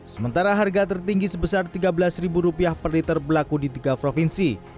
sementara harga tertinggi sebesar rp tiga belas per liter berlaku di tiga provinsi